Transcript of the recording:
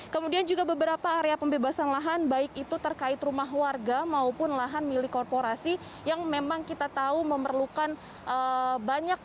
kemudian juga beberapa area pembebasan lahan baik itu terkait rumah warga maupun lahan milik korporasi yang memang kita tahu memerlukan banyak